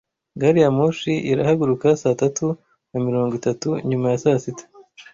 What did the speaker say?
Gari ya moshi irahaguruka saa tatu na mirongo itatu nyuma ya saa sita.